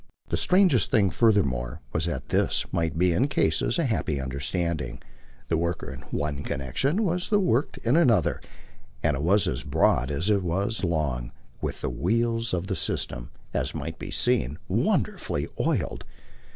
The strangest thing furthermore was that this might be in cases a happy understanding. The worker in one connexion was the worked in another; it was as broad as it was long with the wheels of the system, as might be seen, wonderfully oiled.